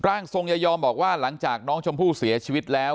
ร่างทรงยายอมบอกว่าหลังจากน้องชมพู่เสียชีวิตแล้ว